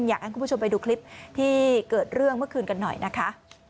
อยากให้คุณผู้ชมไปดูคลิปที่เกิดเรื่องเมื่อคืนกันหน่อยนะคะ